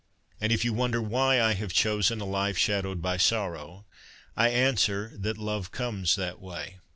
And if you wonder why I have chosen a life shadowed by sorrow, I answer that love comes that way.